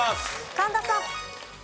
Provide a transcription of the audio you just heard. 神田さん。